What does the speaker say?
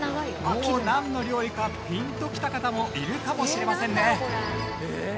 もうなんの料理かピンときた方もいるかもしれませんね。